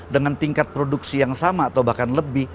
dengan tingkat produksi yang sama atau bahkan lebih